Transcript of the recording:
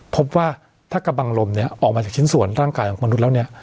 พบว่าถ้ากระบังลมเนี่ยออกมาจากชิ้นส่วนร่างกายของมนุษย์แล้วเนี่ย